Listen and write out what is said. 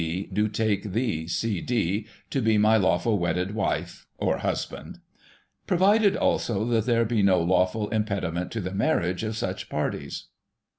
B., do take thee, C. D., to be my lawful wedded Wife [or Husband].* " Provided also, that there be no lawful Impediment to the Marriage of such Parties."